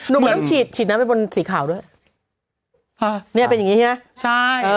หนูมันต้องฉีดฉีดน้ำไปบนสีขาวด้วยฮะเนี้ยเป็นอย่างงี้นะใช่เออ